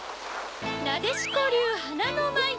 なでしこりゅうはなのまい。